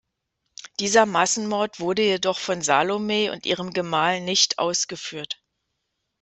Dieser Massenmord wurde jedoch von Salome und ihrem Gemahl nicht ausgeführt.